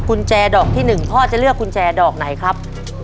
กุญแจดอกที่๑พ่อจะเลือกกุญแจดอกไหนครับ